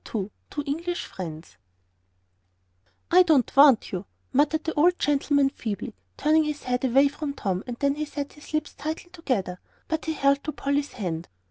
II TWO ENGLISH FRIENDS "I don't want you," muttered the old gentleman, feebly, turning his head away from Tom, and then he set his lips tightly together. But he held to Polly's hand.